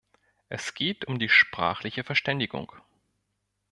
Es geht um die sprachliche Verständigung.